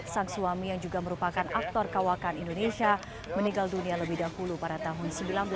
sang suami yang juga merupakan aktor kawakan indonesia meninggal dunia lebih dahulu pada tahun seribu sembilan ratus sembilan puluh